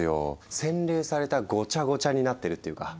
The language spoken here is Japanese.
洗練されたごちゃごちゃになってるっていうか。